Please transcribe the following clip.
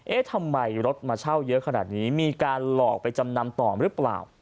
เอ๊ะทำไมรถมาเช่าเยอะขนาดนี้มีการหลอกไปจำนำต่อหรือเปล่า